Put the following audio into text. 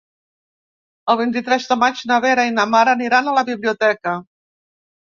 El vint-i-tres de maig na Vera i na Mar aniran a la biblioteca.